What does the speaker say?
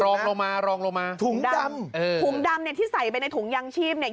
รองลงมารองลงมาถุงดำเออถุงดำเนี่ยที่ใส่ไปในถุงยางชีพเนี่ย